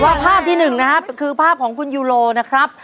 ภาพที่หนึ่งนะครับคือภาพของคุณยูโรนะครับ